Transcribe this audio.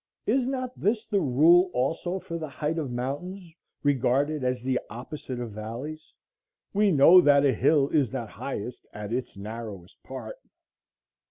Is not this the rule also for the height of mountains, regarded as the opposite of valleys? We know that a hill is not highest at its narrowest part.